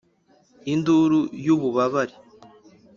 induru y'ububabare,